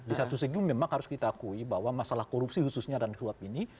di satu segi memang harus kita akui bahwa masalah korupsi khususnya dan suap ini